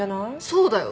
そうだよ。